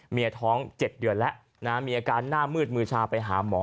ท้อง๗เดือนแล้วนะมีอาการหน้ามืดมือชาไปหาหมอ